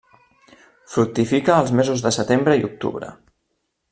Fructifica els mesos de setembre i octubre.